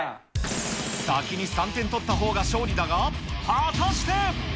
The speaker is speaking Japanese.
先に３点取ったほうが勝利だが、果たして。